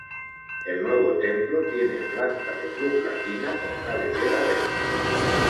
El nuevo templo tiene planta de cruz latina con cabecera recta.